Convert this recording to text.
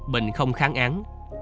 bình không kháng án